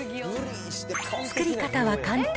作り方は簡単。